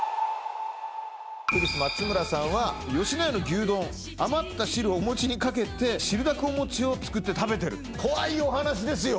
クリス松村さんは野家の牛丼余った汁をお餅にかけて汁だくお餅を作って食べてる怖いお話ですよ